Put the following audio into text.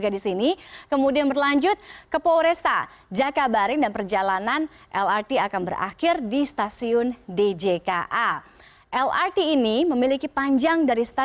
di mana anda bisa melihat